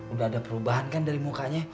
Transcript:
udah ada perubahan kan dari mukanya